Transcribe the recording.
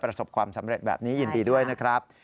ประสบความสำเร็จแบบนี้ยินดีด้วยนะครับ